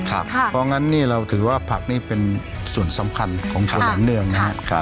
เพราะฉะนั้่งรู้ว่าผักเป็นส่วนสำคัญละเรื่องนะครับ